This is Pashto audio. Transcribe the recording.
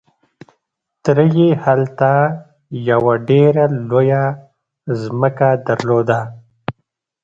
تره يې هلته يوه ډېره لويه ځمکه درلوده.